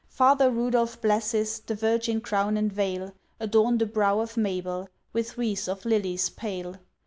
Father Rudolph blesses, The Virgin Crown and Veil Adorn the brow of Mabel, With wreaths of lilies pale.